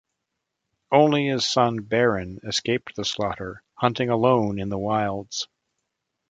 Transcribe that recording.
Only his son Beren escaped the slaughter, hunting alone in the wilds.